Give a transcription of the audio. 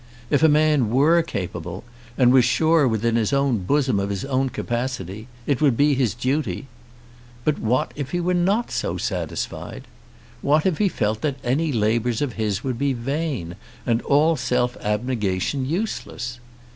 If a man were capable, and was sure within his own bosom of his own capacity, it would be his duty. But what if he were not so satisfied? What if he felt that any labours of his would be vain, and all self abnegation useless?